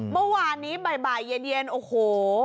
เมื่อวานนี้บ่ายเย็นโอ้โห